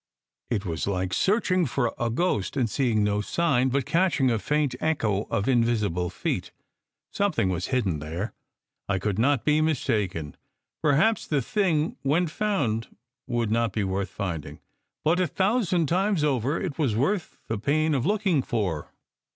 It was like searching for a ghost and seeing no sign, but catching a faint echo of invisible feet. Something was hidden there. I could not be mistaken. Perhaps the thing when found would not be worth finding; but a thousand times over, it was worth the pain of looking for.